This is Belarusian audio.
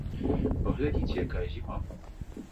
Паглядзіце, якая зіма была.